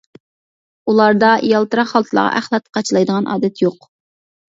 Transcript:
ئۇلاردا يالتىراق خالتىلارغا ئەخلەت قاچىلايدىغان ئادەت يوق.